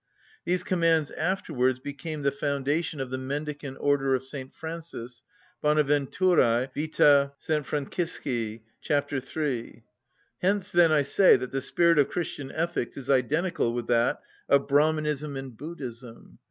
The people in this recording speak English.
These commands afterwards became the foundation of the mendicant order of St. Francis (Bonaventuræ vita S. Francisci, c. 3). Hence, then, I say that the spirit of Christian ethics is identical with that of Brahmanism and Buddhism.